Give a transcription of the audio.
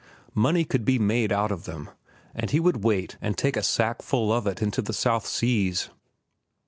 Money could be made out of them, and he would wait and take a sackful of it into the South Seas.